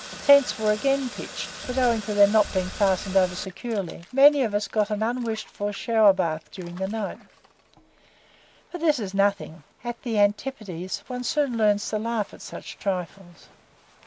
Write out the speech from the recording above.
Tents were again pitched, but owing to their not being fastened over securely, many of us got an unwished for shower bath during the night; but this is nothing at the antipodes one soon learns to laugh at such trifles.